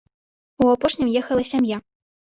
У апошнім ехала сям'я.